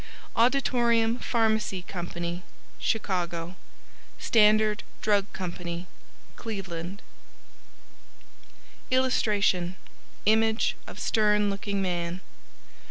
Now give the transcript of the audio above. Auditorium Pharmacy Co., Chicago Standard Drug Co., Cleveland [Illustration: Image of stern looking man.